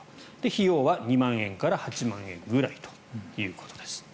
費用は２万円から８万円くらいということです。